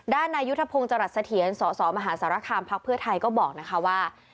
นายุทธพงศ์จรัสเสถียรสสมหาสารคามพักเพื่อไทยก็บอกนะคะว่า